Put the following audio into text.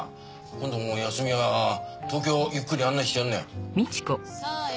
今度の休みは東京をゆっくり案内してやんなよ。